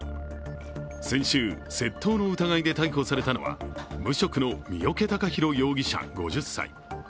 先週、窃盗の疑いで逮捕されたのは、無職の明景貴博容疑者５０歳。